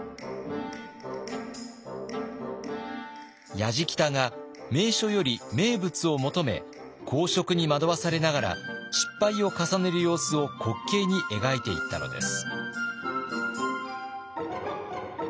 やじきたが名所より名物を求め好色に惑わされながら失敗を重ねる様子を滑稽に描いていったのです。